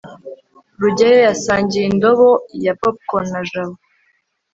rugeyo yasangiye indobo ya popcorn na jabo